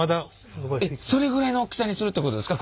それぐらいの大きさにするってことですか？